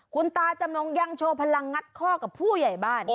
คุณตาจำนงยังโชว์พลังงัดข้อกับผู้ใหญ่บ้าน